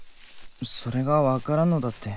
それが分からんのだって。